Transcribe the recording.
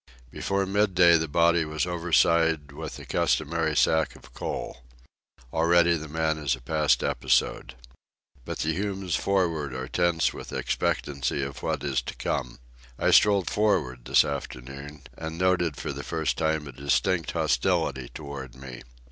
Before midday the body was overside with the customary sack of coal. Already the man is a past episode. But the humans for'ard are tense with expectancy of what is to come. I strolled for'ard this afternoon, and noted for the first time a distinct hostility toward me.